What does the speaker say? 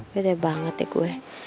beda banget ya gue